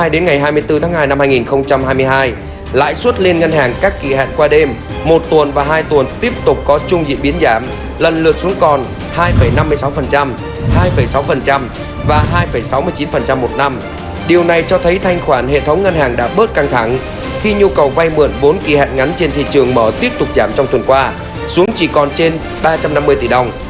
điều này cho thấy thanh khoản hệ thống ngân hàng đã bớt căng thẳng khi nhu cầu vay mượn bốn kỳ hạn ngắn trên thị trường mở tiếp tục giảm trong tuần qua xuống chỉ còn trên ba trăm năm mươi tỷ đồng